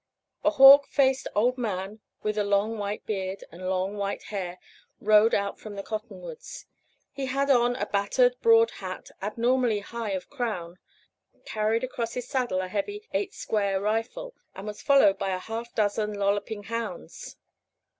A hawk faced old man with a long white beard and long white hair rode out from the cottonwoods. He had on a battered broad hat abnormally high of crown, carried across his saddle a heavy "eight square" rifle, and was followed by a half dozen lolloping hounds.